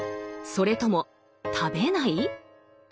それとも食べない？